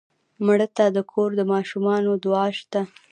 مړه ته د کور د ماشومانو دعا شته